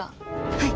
はい。